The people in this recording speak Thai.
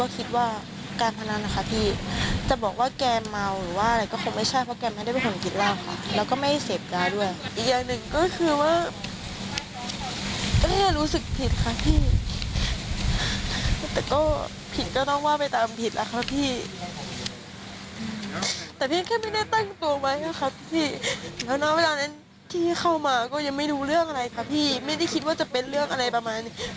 แต่พี่จะบอกว่าเวลานั้นที่เข้ามาก็ยังไม่รู้เรื่องอะไรค่ะพี่ไม่ได้คิดว่าจะเป็นเรื่องอะไรประมาณนี้